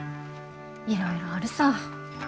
いろいろあるさ。